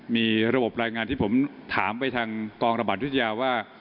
มีระบบรายงานที่ผมถามไปทางกรรบรบัตรวจยาว่า